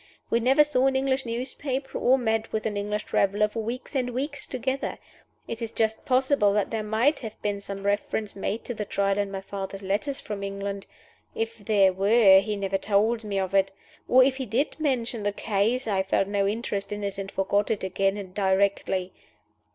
We never saw an English newspaper or met with an English traveler for weeks and weeks together. It is just possible that there might have been some reference made to the Trial in my father's letters from England. If there were, he never told me of it. Or, if he did mention the case, I felt no interest in it, and forgot it again directly.